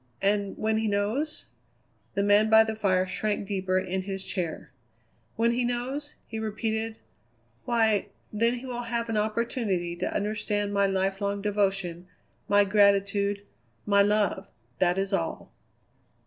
"And when he knows?" The man by the fire shrank deeper in his chair. "When he knows?" he repeated. "Why, then he will have an opportunity to understand my life long devotion, my gratitude, my love! That is all."